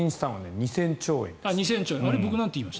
２０００億円。